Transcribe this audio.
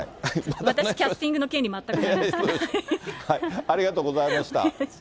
私、キャスティングの権利、全くありがとうございました。